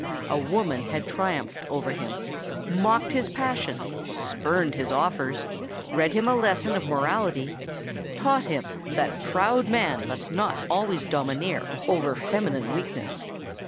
A woman had triumphed over him—mocked his passion—spurned his offers—read him a lesson of morality—taught him that proud man must not always domineer over feminine weakness.